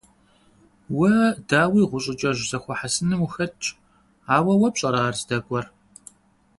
Уэ, дауи, гъущӀыкӀэжь зэхуэхьэсыным ухэтщ; ауэ уэ пщӀэрэ ар здэкӀуэр?